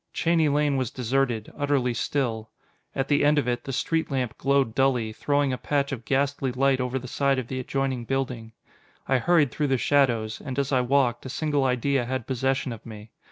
Cheney Lane was deserted, utterly still. At the end of it, the street lamp glowed dully, throwing a patch of ghastly light over the side of the adjoining building. I hurried through the shadows, and as I walked, a single idea had possession of me.